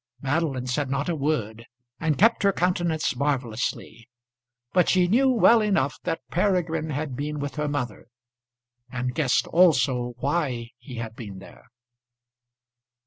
Madeline said not a word, and kept her countenance marvellously; but she knew well enough that Peregrine had been with her mother; and guessed also why he had been there.